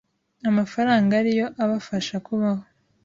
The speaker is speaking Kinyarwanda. amafaranga ariyo abafasha kubaho